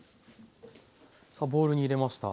さあボウルに入れました。